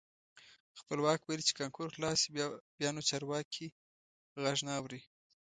خپلواک ویل چې کانکور خلاص شي بیا نو چارواکي غږ نه اوري.